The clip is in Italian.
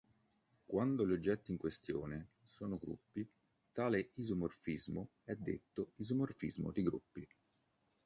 Quando gli oggetti in questione sono gruppi, tale isomorfismo è detto "isomorfismo di gruppi".